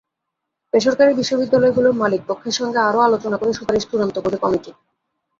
বেসরকারি বিশ্ববিদ্যালয়গুলোর মালিকপক্ষের সঙ্গে আরও আলোচনা করে সুপারিশ চূড়ান্ত করবে কমিটি।